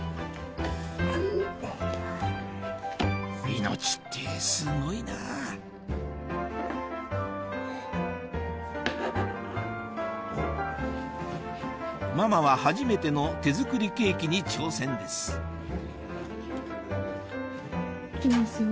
命ってすごいなぁママは初めての手作りケーキに挑戦です行きますよ。